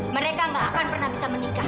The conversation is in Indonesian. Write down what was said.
mereka gak akan pernah bisa menikah